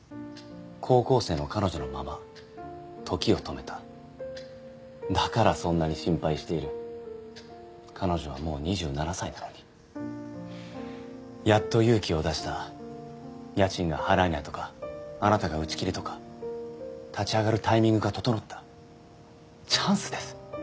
高校生の彼女のまま時を止めただからそんなに心配している彼女はもう２７歳なのにやっと勇気を出した家賃が払えないとかあなたが打ち切りとか立ち上がるタイミングが整ったチャンスです